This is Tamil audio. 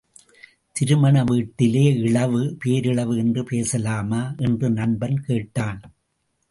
திருமண வீட்டிலே இழவு, பேரிழவு என்று பேசலாமா என்று நண்பன் கேட்டான்.